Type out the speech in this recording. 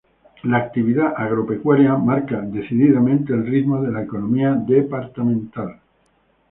La actividad agropecuaria marca decididamente el ritmo de la economía departamental.